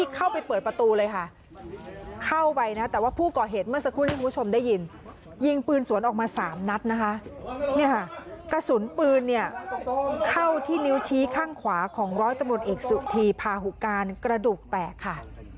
เข้าไปเปิดประตูเลยค่ะเข้าไปนะแต่ว่าผู้ก่อเหตุเมื่อสักครู่ที่คุณผู้ชมได้ยินยิงปืนสวนออกมา๓นัดนะคะเนี่ยค่ะกระสุนปืนเนี่ยเข้าที่นิ้วชี้ข้างขวาของร้อยตำรวจเอกสุธีพาหุการกระดูกแตกค่ะ